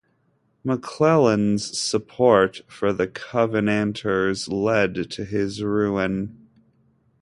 Maclellan's support for the Covenanters led to his ruin.